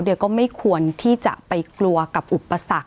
เดี๋ยวก็ไม่ควรที่จะไปกลัวกับอุปสรรค